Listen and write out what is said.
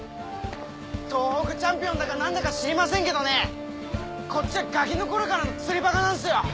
東北チャンピオンだか何だか知りませんけどねこっちはガキの頃からの釣りバカなんすよ！